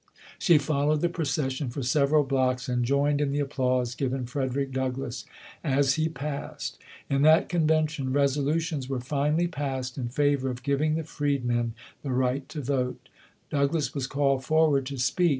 She followed the procession for several blocks and joined in the applause given Frederick Douglass as he passed. In that convention, resolutions were finally passed in favor of giving the freedmen the right to vote. Douglass was called forward to speak.